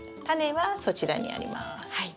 タネはそちらにあります。